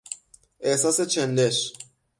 احساس چندش